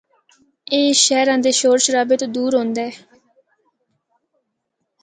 اے شہراں دے شور شرابے تو دور ہوندا اے۔